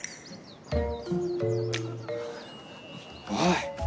おい！